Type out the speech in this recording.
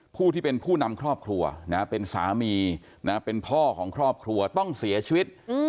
ผู้ที่เป็นผู้นำครอบครัวเป็นสามีเป็นพ่อของครอบครัวต้องเสียชีวิต